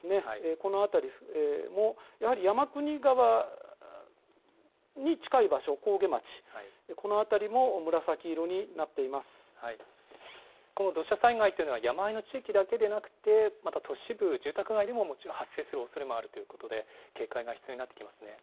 この辺りもやはり山国川に近い場所、上毛町、この土砂災害というのは、山あいの地域だけではなくて、また都市部、住宅街にももちろん発生するおそれもあるということで、警戒が必要になってきますね。